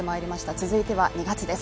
続いては２月です。